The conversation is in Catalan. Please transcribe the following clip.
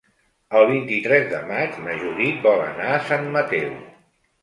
El vint-i-tres de maig na Judit vol anar a Sant Mateu.